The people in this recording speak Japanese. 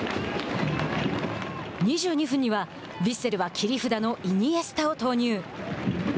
２２分にはヴィッセルは切り札のイニエスタを投入。